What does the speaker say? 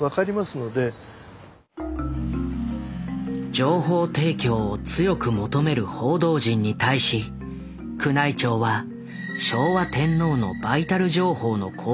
情報提供を強く求める報道陣に対し宮内庁は昭和天皇のバイタル情報の公表を決めた。